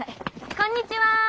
こんにちは。